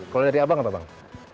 kalau dari abang apa bang